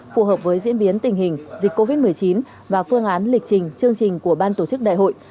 phù hợp với diễn biến tình hình dịch covid một mươi chín và phương án lịch trình chương trình của ban tổ chức đại hội